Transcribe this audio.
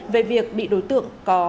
về việc bị đối tượng có